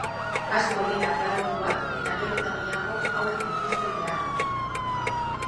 Asko dira edadetuak eta gero eta gehiago hauek dituzten beharrak.